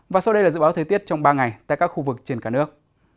và sau đây là dự báo thời tiết trong ba ngày tại các khu vực trên cả nước